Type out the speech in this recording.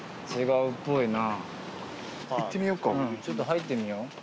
ちょっと入ってみよう。